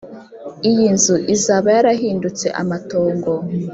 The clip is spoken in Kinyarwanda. Iyi nzu izaba yarahindutse amatongo